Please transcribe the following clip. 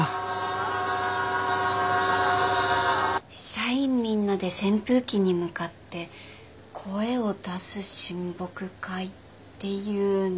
社員みんなで扇風機に向かって声を出す親睦会っていうのは。